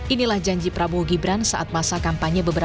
inilah janji prabowo gibran saat masa kampanye beberapa